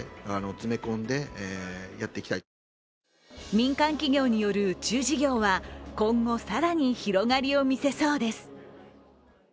民間企業による宇宙事業は今後、更に広がりを見せそうです。